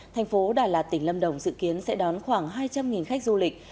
thành phố đà lạt tỉnh lâm đồng dự kiến sẽ đón khoảng hai trăm linh khách du lịch